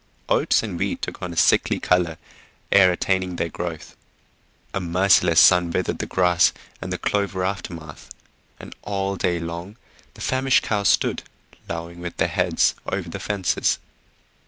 Oats and wheat took on a sickly colour ere attaining their growth; a merciless sun withered the grass and the clover aftermath, and all day long the famished cows stood lowing with their heads over the fences.